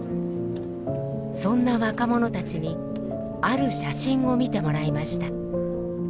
そんな若者たちにある写真を見てもらいました。